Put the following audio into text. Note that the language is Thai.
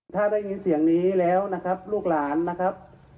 ถ้าได้ยินเสียงนี้แล้วนะครับลูกหลานนะครับ